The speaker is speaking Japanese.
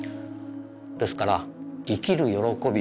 ですから生きる喜び。